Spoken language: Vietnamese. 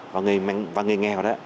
và người nghèo